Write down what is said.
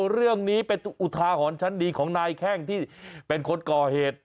เรื่องนี้เป็นอุทาหรณ์ชั้นดีของนายแข้งที่เป็นคนก่อเหตุ